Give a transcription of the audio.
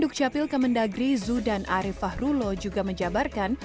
duk capil kemendagri zu dan arief fahrulo juga menjabarkan